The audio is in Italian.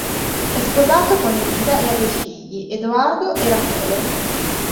È sposato con Elisa e ha due figli, Edoardo e Rachele.